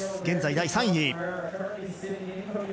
現在、第３位。